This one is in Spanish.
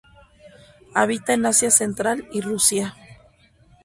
Habita en Asia Central y Rusia.